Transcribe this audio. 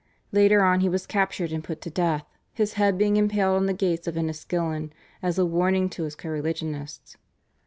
Later on he was captured, and put to death, his head being impaled on the gates of Enniskillen as a warning to his co religionists.